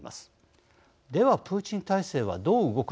ではプーチン体制はどう動くのでしょうか。